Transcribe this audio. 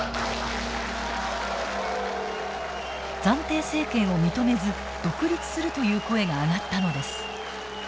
暫定政権を認めず独立するという声が上がったのです。